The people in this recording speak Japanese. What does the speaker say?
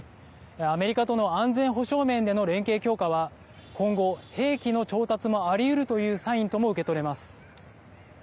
アメリカとの安全保障面での連携強化は今後、兵器の調達もありうるというサインとも受け取れます。